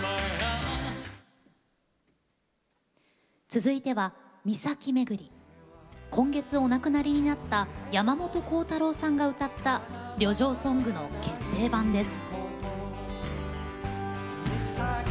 続いては今月お亡くなりになった山本コウタローさんが歌った旅情ソングの決定版です。